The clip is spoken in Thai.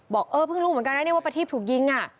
บอกเพิ่งรู้เหมือนกันว่าประทิติถูกยิง